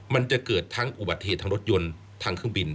มันจะเกิดทั้งอุบัติเหตุทั้งรถยนต์ทั้งเครื่องบิน